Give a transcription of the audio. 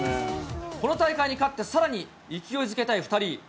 この大会に勝って、さらに勢いづけたい２人。